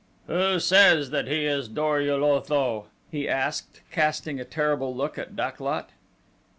"Who says that he is Dor ul Otho?" he asked, casting a terrible look at Dak lot.